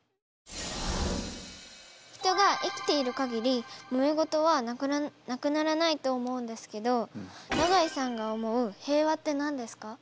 人が生きている限りもめ事はなくならないと思うんですけど永井さんが思う平和って何ですか？